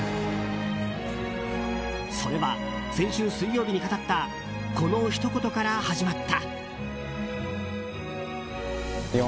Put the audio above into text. それは先週水曜日に語ったこのひと言から始まった。